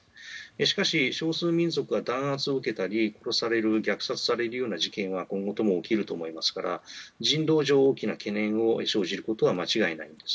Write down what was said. しかし、少数民族が弾圧を受けたり虐殺されるような事件は今後とも起きると思いますから人道上、大きな懸念を生じることは間違いないです。